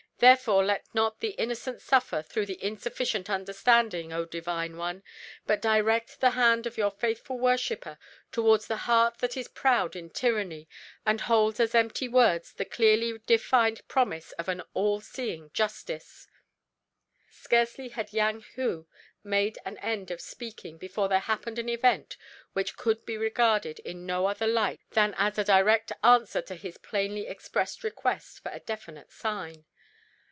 Therefore let not the innocent suffer through an insufficient understanding, O Divine One, but direct the hand of your faithful worshipper towards the heart that is proud in tyranny, and holds as empty words the clearly defined promise of an all seeing justice." Scarcely had Yang Hu made an end of speaking before there happened an event which could be regarded in no other light than as a direct answer to his plainly expressed request for a definite sign.